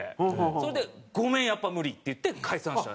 それで「ごめんやっぱ無理」って言って解散した。